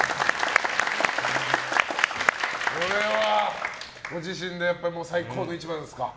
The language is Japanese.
これはご自身でやっぱり最高の一番ですか？